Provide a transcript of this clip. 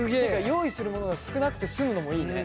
用意するものが少なくて済むのもいいね。